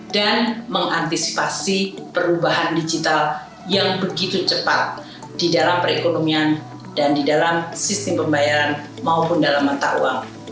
dan mengantisipasi perubahan digital yang begitu cepat di dalam perekonomian dan di dalam sistem pembayaran maupun dalam mata uang